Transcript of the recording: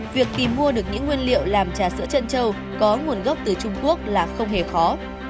việc tìm mua được những nguyên liệu làm trà sữa chân trâu có nguồn gốc từ trung quốc là không hề khó